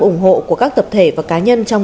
ủng hộ của các tập thể và cá nhân trong